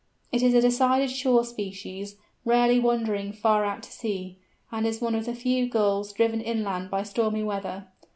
It is a decided shore species, rarely wandering far out to sea, and is one of the first Gulls driven inland by stormy weather.